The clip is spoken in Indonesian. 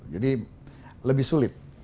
jadi lebih sulit